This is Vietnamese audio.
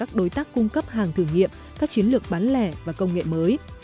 các đối tác cung cấp hàng thử nghiệm các chiến lược bán lẻ và công nghệ mới